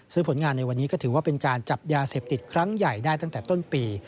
ซึ่งผลงานในวันนี้ก็ถือว่าเป็นการจับยาเสพติดครั้งใหญ่ได้ตั้งแต่ต้นปี